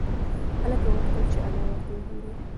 هلک غوښتل چې انا ورته وگوري.